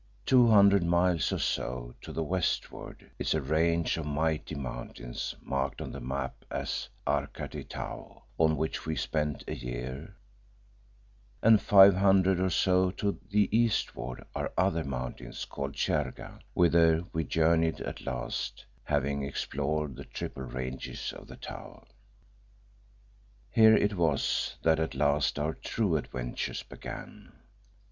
Two hundred miles or so to the westward is a range of mighty mountains marked on the maps as Arkarty Tau, on which we spent a year, and five hundred or so miles to the eastward are other mountains called Cherga, whither we journeyed at last, having explored the triple ranges of the Tau. Here it was that at last our true adventures began.